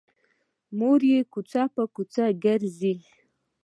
مور یې کوڅه په کوڅه ګرځي